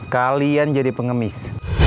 kalian jadi pengemis